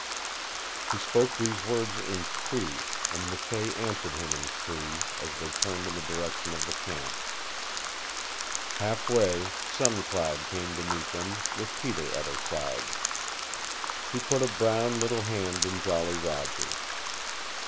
He spoke these words in Cree, and McKay answered him in Cree as they turned in the direction of the camp. Half way, Sun Cloud came to meet them, with Peter at her side. She put a brown little hand in Jolly Roger's.